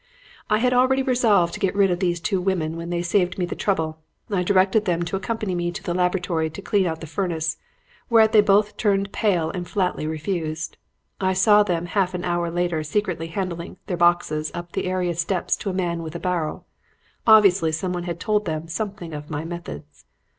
"I had already resolved to get rid of those two women when they saved me the trouble. I directed them to accompany me to the laboratory to clean out the furnace, whereat they both turned pale and flatly refused; and I saw them half an hour later secretly handing their boxes up the area steps to a man with a barrow. Obviously someone had told them something of my methods.